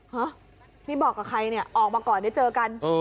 ฮะพี่บอกกับใครเนี่ยออกมาก่อนเดี๋ยวเจอกัน